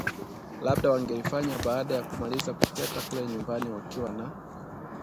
labda wangelifanya baada ya kumaliza kutweta kule nyumbani, wakiwa na